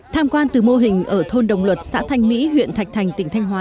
tham quan từ mô hình ở thôn đồng luật xã thanh mỹ huyện thạch thành tỉnh thanh hóa